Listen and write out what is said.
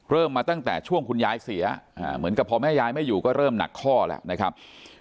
มาตั้งแต่ช่วงคุณยายเสียเหมือนกับพอแม่ยายไม่อยู่ก็เริ่มหนักข้อแล้วนะครับ